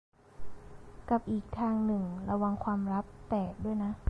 กับอีกทางหนึ่งระวังความลับแตกด้วยนะ